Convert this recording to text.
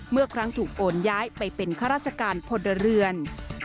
เมื่อครั้งถูกโอนย้ายไปเป็นข้าราชการพลเรือน